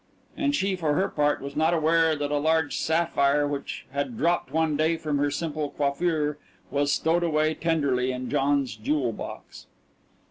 And she for her part was not aware that a large sapphire which had dropped one day from her simple coiffure was stowed away tenderly in John's jewel box.